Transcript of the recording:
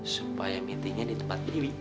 supaya meetingnya di tempat ini